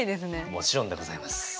もちろんでございます。